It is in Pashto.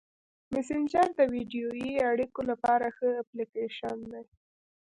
مسېنجر د ویډیويي اړیکو لپاره ښه اپلیکیشن دی.